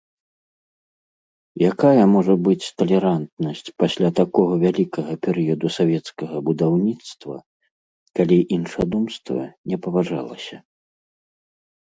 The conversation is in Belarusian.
Якая можа быць талерантнасць пасля такога вялікага перыяду савецкага будаўніцтва, калі іншадумства не паважалася?